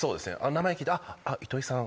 名前聞いてあっ糸井さん。